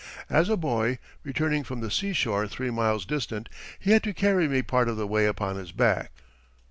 As a boy, returning from the seashore three miles distant, he had to carry me part of the way upon his back.